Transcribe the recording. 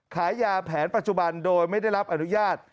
ขายยาแผนปัจจุบันโดยไม่ได้รับอนุญาต